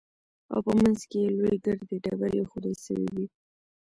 او په منځ کښې يې لويې ګردې ډبرې ايښوول سوې وې.